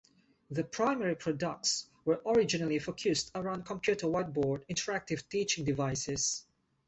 The primary products were originally focused around computer whiteboard interactive teaching devices.